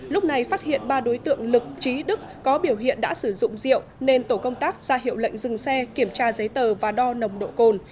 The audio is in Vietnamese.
lúc này phát hiện ba đối tượng lực trí đức có biểu hiện đã sử dụng rượu nên tổ công tác ra hiệu lệnh dừng xe kiểm tra giấy tờ và đo nồng độ cồn